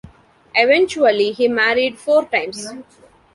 Eventually he married four times.